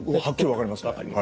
分かります。